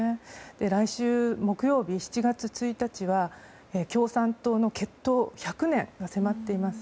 来週木曜日、７月１日は共産党の結党１００年が迫っています。